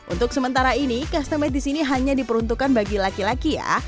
untuk sementara ini customer di sini hanya diperuntukkan bagi laki laki ya